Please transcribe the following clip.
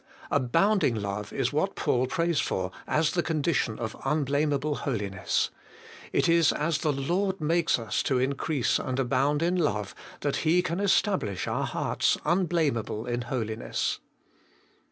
Abounding love is what Paul prays for as the condition of unblameable holiness. It is as the Lord makes us to increase and abound in love, that He can establish our hearts unblameable in holiness.